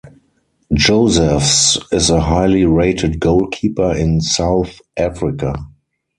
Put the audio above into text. Josephs is a highly rated goalkeeper in South Africa.